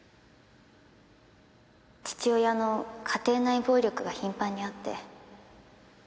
父親の家庭内暴力が頻繁にあって。